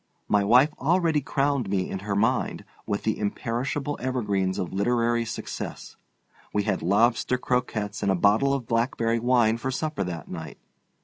My wife already crowned me in her mind with the imperishable evergreens of literary success. We had lobster croquettes and a bottle of blackberry wine for supper that night.